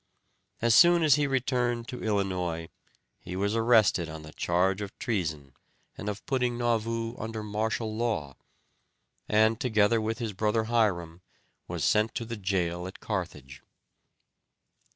As soon as he returned to Illinois he was arrested on the charge of treason and of putting Nauvoo under martial law, and together with his brother Hyrum was sent to the jail at Carthage.